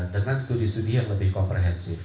dengan studi studi yang lebih komprehensif